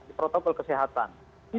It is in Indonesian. di protokol kesehatan